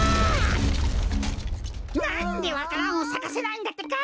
なんでわか蘭をさかせないんだってか！